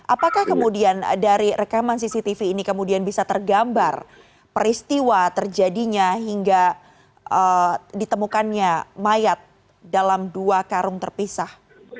apakah kemudian dari rekaman cctv ini kemudian bisa tergambar peristiwa terjadinya hingga ditemukannya mayat dalam dua karung terpisah